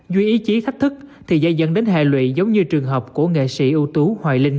dù ý chí thách thức thì dây dần đến hệ lụy giống như trường hợp của nghệ sĩ ưu tú hoài linh